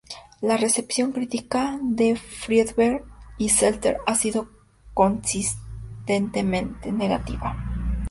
La recepción crítica de Friedberg y Seltzer ha sido consistentemente negativa.